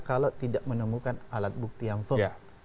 kalau tidak menemukan alat bukti yang firm